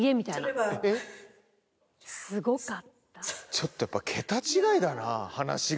ちょっとやっぱ桁違いだな話が。